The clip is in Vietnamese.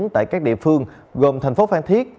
tại các địa phương gồm thành phố phan thiết